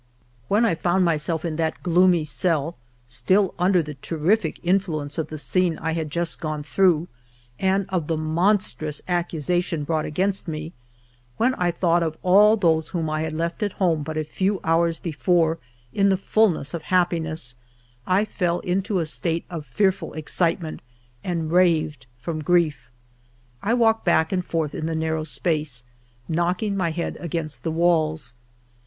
When I found myself in that gloomy cell, still under the terrific influence of the scene I had just gone through and of the monstrous accusation brought against me, when I thought of all those whom I had left at home but a few hours before in the fulness of happiness, I fell into a state of fearful excitement and raved from grief. I walked back and forth in the narrow space, knocking my head against the walls.